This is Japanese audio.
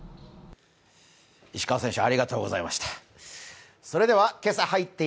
石川選手、ありがとうございました。